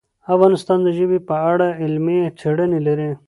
افغانستان د ژبې په اړه علمي څېړنې لري.